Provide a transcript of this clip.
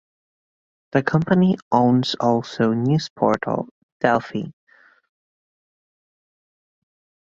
The company owns also news portal "Delfi".